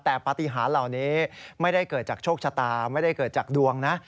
แต่ปฏิหารเหล่านี้ไม่ได้เกิดจากโชคชะตาไม่ได้เกิดจากดวงนะ